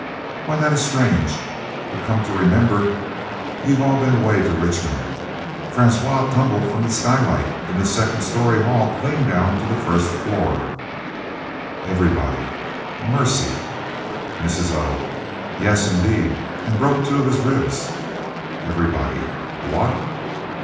Why that is strange but come to remember, you've all been away to Richmond. Francois tumbled from the sky light in the second story hall clean down to the first floor " Everybody "Mercy!" Mrs. O. "Yes indeed and broke two of his ribs " Everybody "What!"